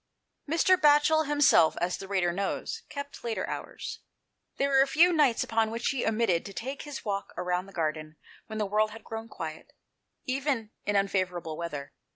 Mr. Batchel himself, as the reader knows, kept later hours. There were few nights upon which he omitted to take his walk round the garden when the world had grown quiet, even in unfavourable weather.